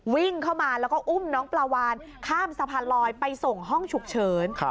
วิ่งเข้ามาแล้วก็อุ้มน้องปลาวานข้ามสะพานลอยไปส่งห้องฉุกเฉิน